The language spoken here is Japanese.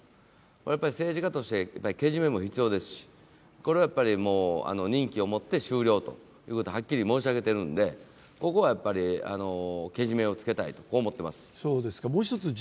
やっぱり政治家としてけじめも必要ですし任期をもって終了ということははっきり申し上げているので、ここはけじめをつけたいと思っております。